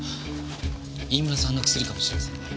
飯村さんの薬かもしれませんね。